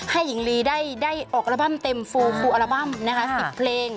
หญิงลีได้ออกอัลบั้มเต็มฟูฟูอัลบั้มนะคะ๑๐เพลง